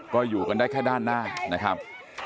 ก็อยู่กันได้แค่ด้านหน้านะครับ